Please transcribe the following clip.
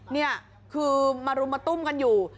นี่คือมารุมมาตุ้มกันอยู่